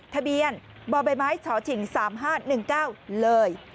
ทะเบียนบไมเฉาะฉิง๓๕๑๙เลย